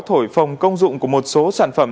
thổi phòng công dụng của một số sản phẩm